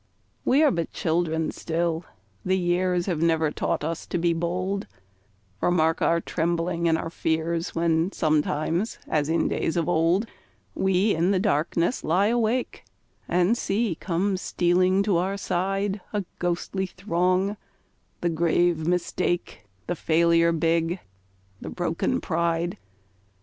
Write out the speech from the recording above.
We are but children still, the years Have never taught us to be bold, For mark our trembling and our fears When sometimes, as in days of old, We in the darkness lie awake, And see come stealing to our side A ghostly throng the grave Mistake, The Failure big, the broken Pride.